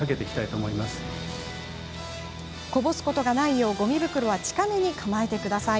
こぼすことがないようごみ袋は近めに構えてください。